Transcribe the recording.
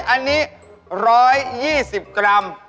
อันนี้๑๒๐กรัม